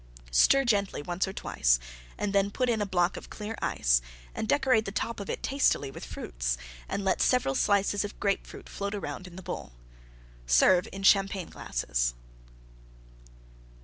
Stir gently once or twice, and then put in a block of clear Ice and decorate the top of it tastily with Fruits and let several slices of Grape Fruit float around in the bowl. Serve in Champagne glasses.